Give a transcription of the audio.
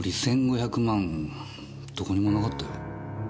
どこにもなかったよ。